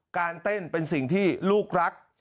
การเต้นเป็นสิ่งที่ลูกรัก